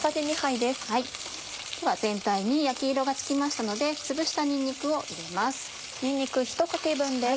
では全体に焼き色がつきましたのでつぶしたにんにくを入れます。